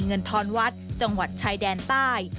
ทอนวัดจังหวัดชายแดนใต้